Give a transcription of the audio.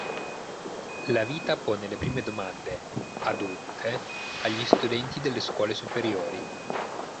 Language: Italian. La vita pone le prime domande "adulte" agli studenti delle scuole superiori.